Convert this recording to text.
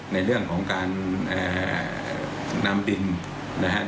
ในเรื่องของการนำดินนะครับ